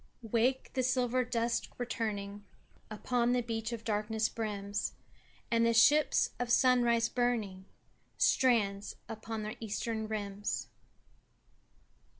"Wake: the silver dusk returning Up the beach of darkness brims, And the ship of sunrise burning Strands upon the eastern rims."